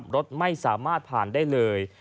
รถไม่สามารถผ่านได้เลย